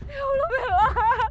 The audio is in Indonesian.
ya allah bella